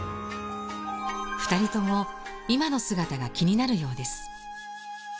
２人とも今の姿が気になるようです。